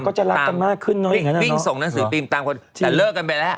ก็จะรักกันมากขึ้นเนอะวิ่งส่งหนังสือพิมพ์ตามคนแต่เลิกกันไปแล้ว